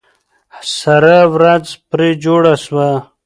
سره ورځ پرې جوړه سوه.